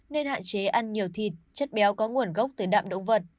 nên hạn chế ăn nhiều thịt chất béo có nguồn gốc từ đạm động vật